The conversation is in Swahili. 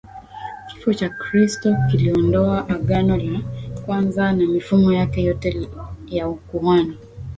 Kifo cha Kristo kiliondoa agano la Kwanza na mifumo yake yote ya ukuhani